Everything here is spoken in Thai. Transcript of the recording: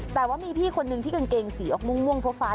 แต่ว่ามีพี่คนนึงที่กางเกงสีออกม่วงฟ้า